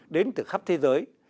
đến từ khắp thế giới